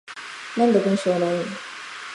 なんで文章ないん？